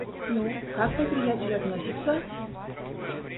Ну, как мой приятель относится?